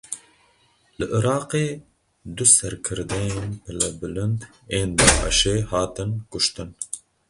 Li Iraqê du serkirdeyên pilebilind ên Daişê hatin kuştin.